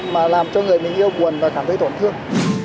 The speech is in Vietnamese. mà làm cho người mình yêu quần và cảm thấy tổn thương